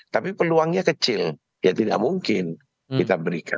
tapi peluangnya kecil ya tidak mungkin kita berikan